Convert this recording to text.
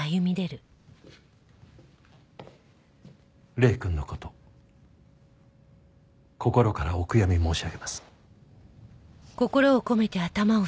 礼くんの事心からお悔やみ申し上げます。